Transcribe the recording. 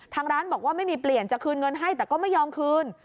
ทางร้านบอกว่าไม่มีเปลี่ยนจะคืนเงินให้แต่ก็ไม่ยอมคืน